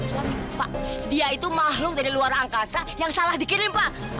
soalnya pak dia itu makhluk dari luar angkasa yang salah dikirim pak